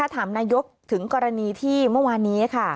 ถามนายกถึงกรณีที่เมื่อวานนี้